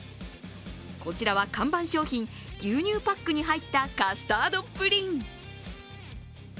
こちらは看板商品、牛乳パックに入ったカスタードプリン。